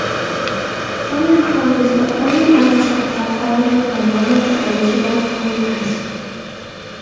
Omicron is the only other chapter founded by one of the original founders.